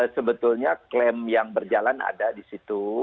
sebetulnya klaim yang berjalan ada di situ